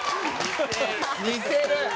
似てる！